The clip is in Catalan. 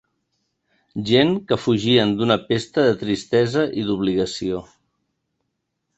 Gent que fugien d'una pesta de tristesa i d'obligació